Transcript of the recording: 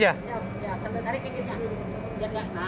iya sambil tarik kegitnya